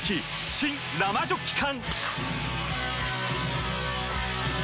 新・生ジョッキ缶！